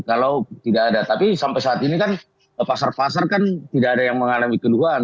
kalau tidak ada tapi sampai saat ini kan pasar pasar kan tidak ada yang mengalami keluhan